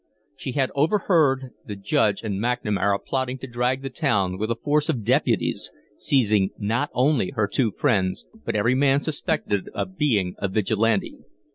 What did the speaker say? She had overheard the Judge and McNamara plotting to drag the town with a force of deputies, seizing not only her two friends, but every man suspected of being a Vigilante.